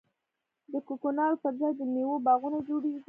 د کوکنارو پر ځای د میوو باغونه جوړیږي.